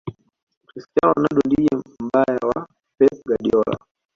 cristiano ronaldo ndiye mbaya wa pep guardiola